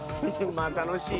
まあ楽しい。